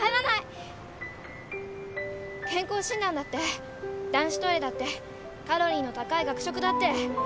健康診断だって男子トイレだってカロリーの高い学食だって何でも来いだ！